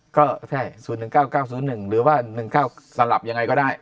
ก็ใช่๐๑๙๙๐๑หรือว่า๑๙สลับยังไงก็ได้